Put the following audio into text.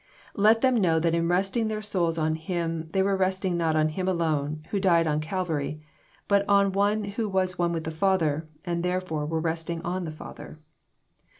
Let them know that in resting their sonls on Him, they were resting not on Him alone who died on Calvary, but on one who was one with the Father, and there . fore were resting on the Father.